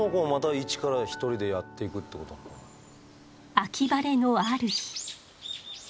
秋晴れのある日。